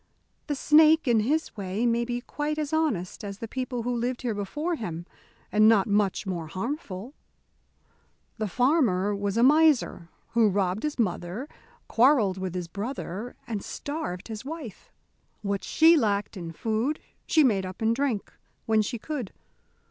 The snake, in his way, may be quite as honest as the people who lived here before him, and not much more harmful. The farmer was a miser who robbed his mother, quarrelled with his brother, and starved his wife. What she lacked in food, she made up in drink, when she could.